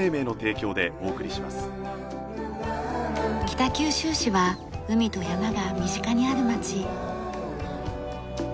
北九州市は海と山が身近にある街。